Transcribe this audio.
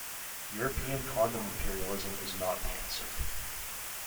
European condom imperialism is not the answer.